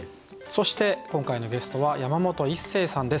そして今回のゲストは山本一成さんです。